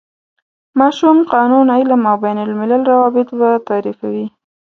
ماشوم، قانون، علم او بین الملل روابط به تعریفوي.